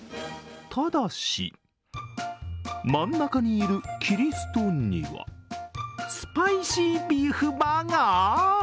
ただし、真ん中にいるキリストにはスパイシービーフバーガー？